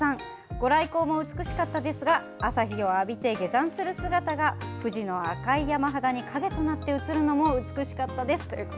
御来光も美しかったですが朝日を浴びて下山する姿が富士の赤い山肌に、影となって映るのも美しかったです。